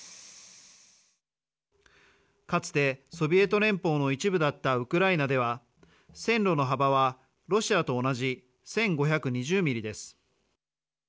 かつて、ソビエト連邦の一部だったウクライナでは線路の幅はロシアと同じ１５２０ミリです。